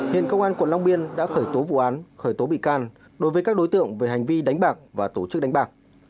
hiện công an quận long biên đã khởi tố vụ án khởi tố bị can đối với các đối tượng về hành vi đánh bạc và tổ chức đánh bạc